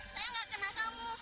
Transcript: saya nggak kenal kamu